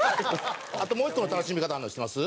あともう一個の楽しみ方あるの知ってます？